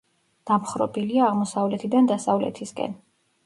დამხრობილია აღმოსავლეთიდან დასავლეთისკენ.